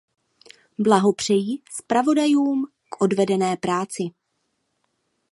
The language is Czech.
Blahopřeji zpravodajům k odvedené práci.